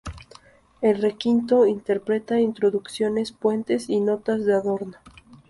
El requinto interpreta introducciones, puentes y notas de adorno.